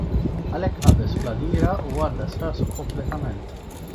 Għalhekk qabeż fl-għadira u għaddas rasu kompletament.